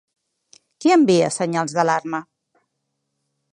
Qui envia senyals d'alarma?